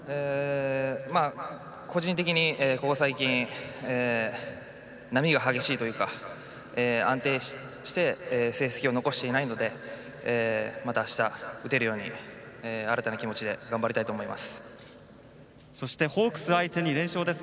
個人的にここ最近波が激しいというか安定して成績を残していないのでまたあした打てるように新たな気持ちで頑張りたいとそしてホークス相手に連勝です。